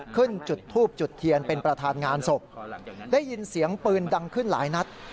ขึ้นจุดทูบจุดเทียนเป็นประธานงานศพหลังจากนั้นได้ยินเสียงปืนดังขึ้นหลายนัด